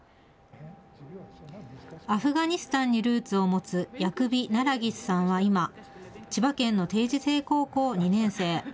アフガニスタンにルーツを持つヤクビ・ナラギスさんは今、千葉県の定時制高校２年生。